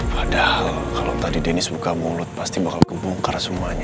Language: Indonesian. padahal kalau tadi dennis buka mulut pasti akan terbuka semuanya